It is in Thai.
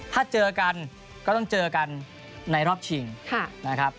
ถ้าเจอกันก็ต้องเจอกันในรอบชิงนะครับ